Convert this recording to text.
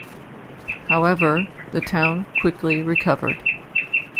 However, the town quickly recovered.